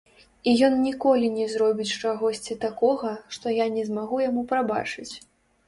І ён ніколі не зробіць чагосьці такога, што я не змагу яму прабачыць.